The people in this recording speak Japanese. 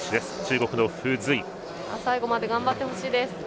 最後まで頑張ってほしいです。